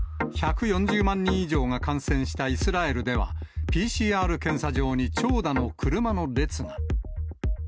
１４０万人以上が感染したイスラエルでは、ＰＣＲ検査場に長蛇の車の列が。